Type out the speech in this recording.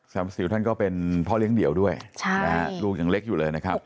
สิวท่านก็เป็นพ่อเลี้ยงเดี่ยวด้วยลูกยังเล็กอยู่เลยนะครับ